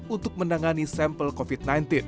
untuk menangani sampel covid sembilan belas